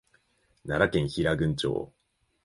奈良県平群町